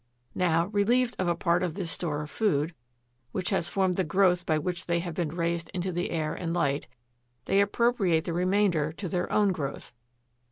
Now, relieved of a part of this store of food, which has formed the growth by which they have been raised into the air and light, they appropriate the remainder to their own growth.